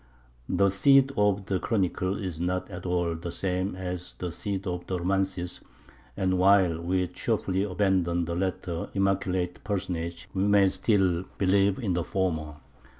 The Cid of the Chronicle is not at all the same as the Cid of the Romances; and while we cheerfully abandon the latter immaculate personage, we may still believe in the former.